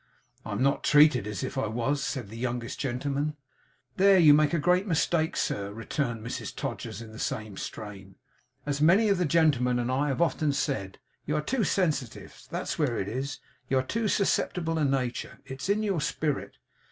'I'm not treated as if I was,' said the youngest gentleman. 'There you make a great mistake, sir,' returned Mrs Todgers, in the same strain. 'As many of the gentlemen and I have often said, you are too sensitive. That's where it is. You are of too susceptible a nature; it's in your spirit.